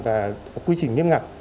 và quy trình nghiêm ngặt